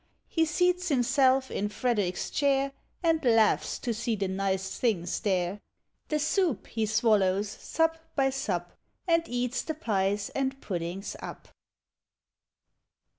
" He seats himself in Frederick's chair, And laughs to see the nice things there: The soup he swallows sup by sup. And eats the pies and puddings up.